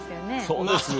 そうですよ。